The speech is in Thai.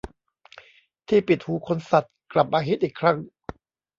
ที่ปิดหูขนสัตว์กลับมาฮิตอีกครั้ง